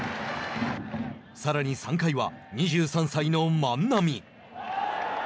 さらに３回は２３歳の万波。